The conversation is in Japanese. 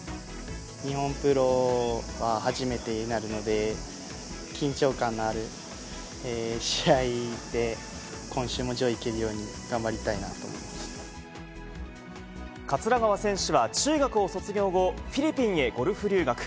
日本プロは初めてになるので、緊張感のある試合で、今週も上位行けるように、頑張りたいなと思桂川選手は中学を卒業後、フィリピンへゴルフ留学。